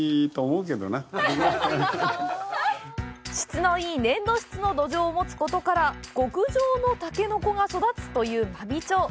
質のいい粘土質の土壌を持つことから、極上のたけのこが育つという真備町。